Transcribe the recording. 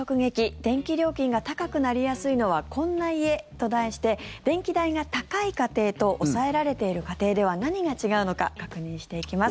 電気料金が高くなりやすいのはこんな家と題して電気代が高い家庭と抑えられている家庭では何が違うのか確認していきます。